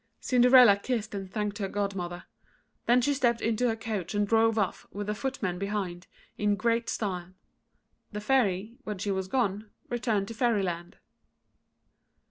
Cinderella kissed and thanked her godmother. Then she stepped into her coach and drove off, with her footmen behind, in great style. The Fairy, when she was gone, returned to Fairyland.